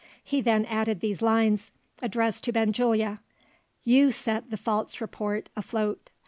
He then added these lines, addressed to Benjulia: "You set the false report afloat.